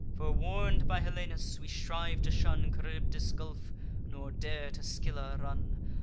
Forewarn'd by Helenus, we strive to shun Charybdis' gulf, nor dare to Scylla run.